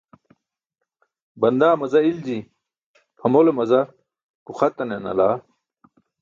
Bandaa maza ilji, phamole maza guxatane nalaa.